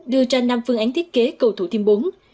đưa ra năm phương án thiết kế cầu thủ thiêm bốn